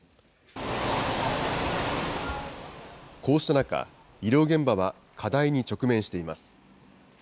こうした中、医療現場は課題に直面しています。